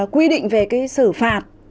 quy định về cái xử phạt